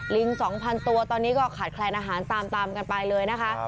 ลิง๒๐๐ตัวตอนนี้ก็ขาดแคลนอาหารตามกันไปเลยนะคะ